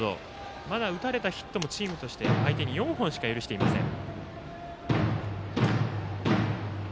まだ打たれたヒットもチームとして４本しか許していません。